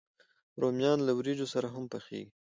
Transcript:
رومیان له وریجو سره هم پخېږي